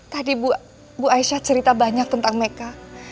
tadi bu aisyah cerita banyak tentang mereka